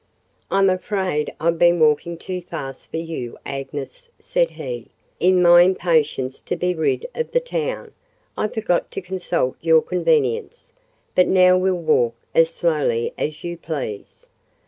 "I'm afraid I've been walking too fast for you, Agnes," said he: "in my impatience to be rid of the town, I forgot to consult your convenience; but now we'll walk as slowly as you please.